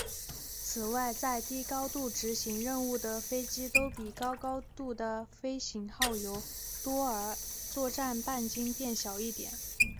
此外在低高度执行任务的飞机都比高高度的飞行耗油多而作战半径变小一点。